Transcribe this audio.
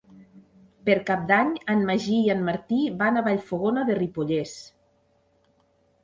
Per Cap d'Any en Magí i en Martí van a Vallfogona de Ripollès.